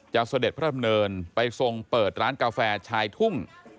เสด็จพระดำเนินไปทรงเปิดร้านกาแฟชายทุ่ง